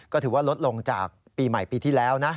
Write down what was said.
ก็ถือว่าลดลงจากปีใหม่ปีที่แล้วนะ